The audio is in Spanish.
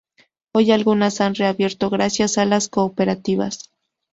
Hoy algunas han reabierto gracias a las cooperativas.